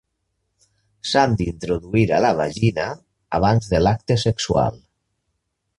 S'han d'introduir a la vagina abans de l'acte sexual.